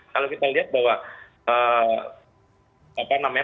kalau kita lihat bahwa